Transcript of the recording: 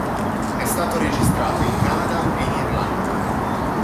È stato registrato in Canada e in Irlanda.